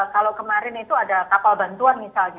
kalau kemarin itu ada kapal bantuan misalnya